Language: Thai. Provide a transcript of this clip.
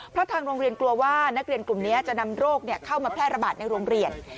เพราะทางโรงเรียนกลัวว่านักเรียนกลุ่มนี้จะนำโรคเข้ามาแพร่ระบาดในโรงเรียน